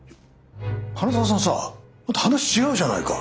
花澤さんさ話違うじゃないか。